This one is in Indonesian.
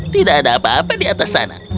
tidak ada apa apa di atas sana